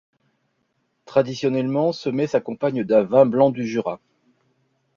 Traditionnellement, ce mets s'accompagne d'un vin blanc du Jura.